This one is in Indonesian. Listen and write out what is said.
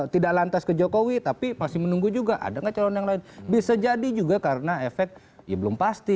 tidak lantas ke jokowi tapi masih menunggu juga ada nggak calon yang lain bisa jadi juga karena efek ya belum pasti